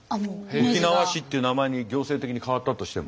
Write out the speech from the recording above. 沖縄市っていう名前に行政的に変わったとしても。